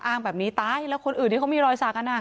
อ้างแบบนี้ตายอีกแล้วคนอื่นจะเพิ่มรอยสักกันน่ะ